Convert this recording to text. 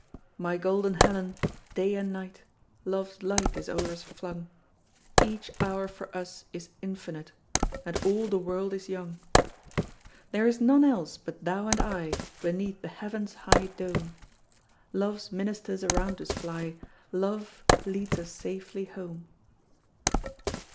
My golden Helen, day and night Love's light is o'er us flung, Each hour for us is infinite, And all the world is young. There is none else but thou and I Beneath the heaven's high dome, Love's ministers around us fly, Love leads us safely home.